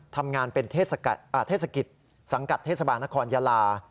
ทำงานเป็นเทศกิจสังกัดเทศบาลนครยาลา